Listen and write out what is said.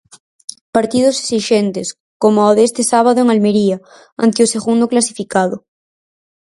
Partidos esixentes coma o deste sábado en Almería, ante o segundo clasificado.